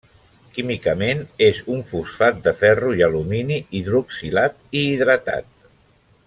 Químicament és un fosfat de ferro i alumini, hidroxilat i hidratat.